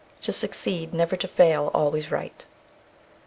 _ To succeed, never to fail, always right.